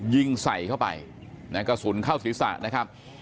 ยิงใส่เข้าไปนายกระสุนเข้าศรีศาสตร์นะครับ